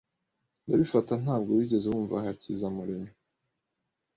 Ndabifata ntabwo wigeze wumva Hakizamuremyi